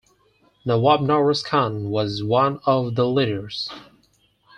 Nawab Nowroz Khan was one of the leaders.